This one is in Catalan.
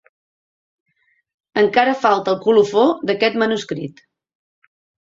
Encara falta el colofó d'aquest manuscrit.